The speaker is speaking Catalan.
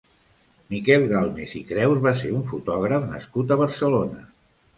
Miquel Galmes i Creus va ser un fotògraf nascut a Barcelona.